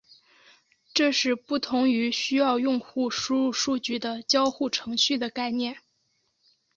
这是不同于需要用户输入数据的交互程序的概念。